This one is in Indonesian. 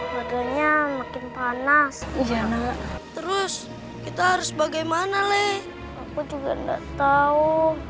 badannya makin panas terus kita harus bagaimana leh aku juga enggak tahu